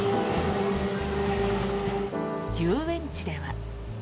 遊園地では。